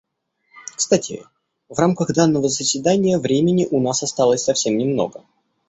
Кстати, в рамках данного заседания времени у нас осталось совсем немного.